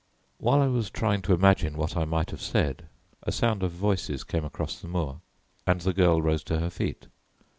While I was trying to imagine what I might have said, a sound of voices came across the moor, and the girl rose to her feet.